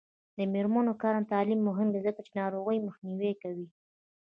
د میرمنو کار او تعلیم مهم دی ځکه چې ناروغیو مخنیوی کوي.